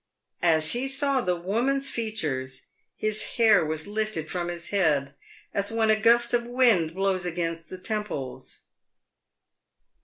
As he saw the woman's features, his hair was lifted from his head, as when a gust of wind blows against the temples.